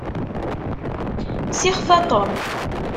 Sixef a Tom.